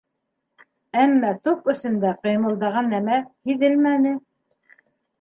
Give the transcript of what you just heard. Әммә тоҡ эсендә ҡыймылдаған нәмә һиҙелмәне.